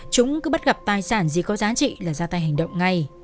chúng cứ bắt gặp tài sản gì có giá trị là ra tay hành động ngay